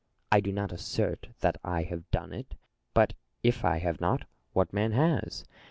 I do not assert that I have done it ; but if I have not, what man has